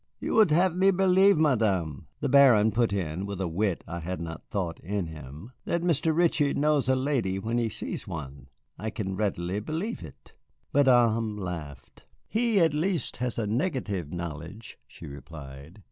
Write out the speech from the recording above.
"You would have me believe, Madame," the Baron put in, with a wit I had not thought in him, "that Mr. Ritchie knows a lady when he sees one. I can readily believe it." Madame laughed. "He at least has a negative knowledge," she replied.